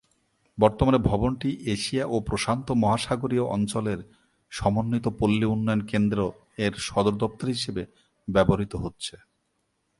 বর্তমানে ভবনটি এশিয়া ও প্রশান্ত মহাসাগরীয় অঞ্চলের সমন্বিত পল্লী উন্নয়ন কেন্দ্র-এর সদরদপ্তর হিসেবে ব্যবহৃত হচ্ছে।